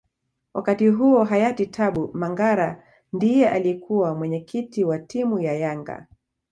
Wakati huo Hayati Tabu Mangara ndiye aliyekuwa mwenyekiti wa timu ya yanga